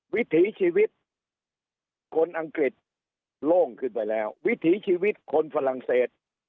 วิถีชีวิตคนอังกฤษโล่งขึ้นไปแล้ววิถีชีวิตคนฝรั่งเศส